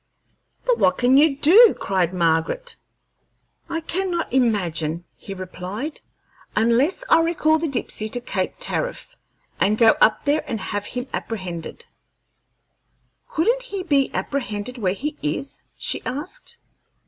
"But what can you do?" cried Margaret. "I cannot imagine," he replied, "unless I recall the Dipsey to Cape Tariff, and go up there and have him apprehended." "Couldn't he be apprehended where he is?" she asked.